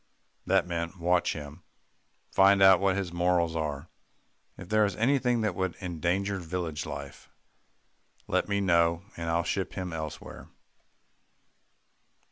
That meant, "Watch him find out what his morals are. If there's anything that would endanger village life, let me know, and I'll ship him elsewhere."